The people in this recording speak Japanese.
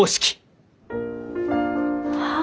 はあ？